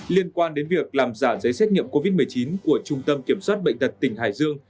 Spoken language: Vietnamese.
liên quan đến việc làm giả giấy xét nghiệm covid một mươi chín của trung tâm kiểm soát bệnh tật tỉnh hải dương